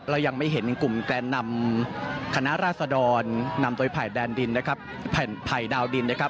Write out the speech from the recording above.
เรายังไม่เห็นกลุ่มแก่นำคณะราชดรนำโดยภัยดาวดินนะครับ